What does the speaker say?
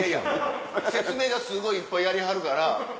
説明がすごいいっぱいやりはるから。